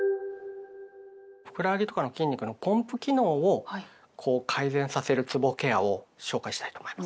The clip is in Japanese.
ふくらはぎとかの筋肉のポンプ機能をこう改善させるつぼケアを紹介したいと思います。